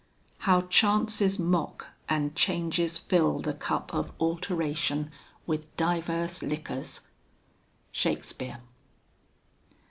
How chances mock, And changes fill the cup of alteration With divers liquors. SHAKESPEARE.